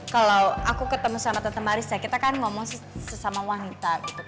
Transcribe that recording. kalau aku ketemu sama tante maris ya kita kan ngomong sesama wanita